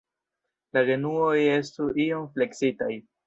La genuoj estu iom fleksitaj.